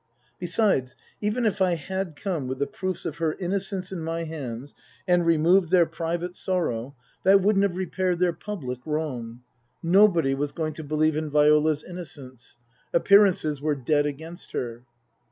Besides, even if I had come with the proofs of her innocence in my hands, and removed their private sorrow, that wouldn't have repaired 7* 100 Tasker Jevons their public wrong. Nobody was going to believe in Viola's innocence. Appearances were dead against her.